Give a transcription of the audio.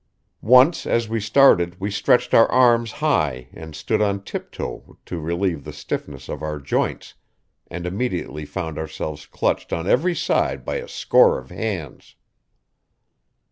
Once, as we started, we stretched our arms high and stood on tiptoe to relieve the stiffness of our joints; and immediately found ourselves clutched on every side by a score of hands.